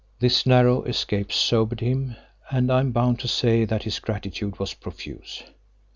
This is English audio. This narrow escape sobered him, and I am bound to say that his gratitude was profuse.